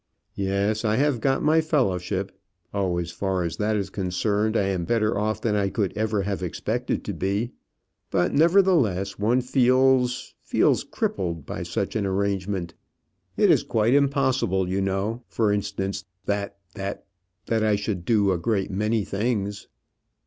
"Yes, I have got my fellowship: oh, as far as that is concerned, I am better off than I could ever have expected to be. But, nevertheless, one feels feels crippled by such an arrangement. It is quite impossible, you know, for instance, that that that I should do a great many things."